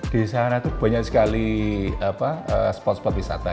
di sana itu banyak sekali spot spot wisata